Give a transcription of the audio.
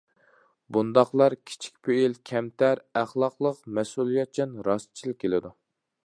بۇنداقلار كىچىك پېئىل، كەمتەر، ئەخلاقلىق، مەسئۇلىيەتچان، راستچىل كېلىدۇ.